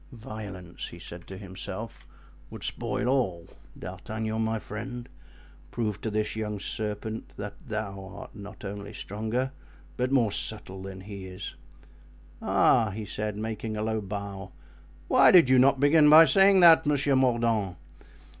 "Violence," he said to himself, "would spoil all; D'Artagnan, my friend, prove to this young serpent that thou art not only stronger, but more subtle than he is." "Ah!" he said, making a low bow, "why did you not begin by saying that, Monsieur Mordaunt?